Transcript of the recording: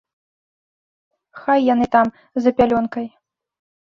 Хай яны там, за пялёнкай.